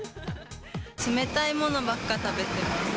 冷たいものばっか食べてます。